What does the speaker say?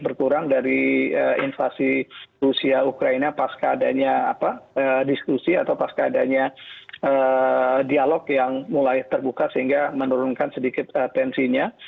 berkurang dari inflasi rusia ukraine pas keadanya diskusi atau pas keadanya dialog yang mulai terbuka sehingga menurunkan sedikit pensinya